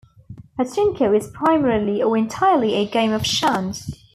Pachinko is primarily or entirely a game of chance.